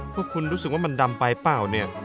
พวกคุณรู้สึกว่ามันดำไปเปล่าเนี่ย